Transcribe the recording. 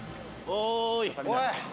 おい！